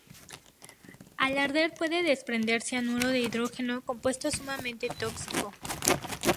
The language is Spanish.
Al arder puede desprender cianuro de hidrógeno, compuesto sumamente tóxico.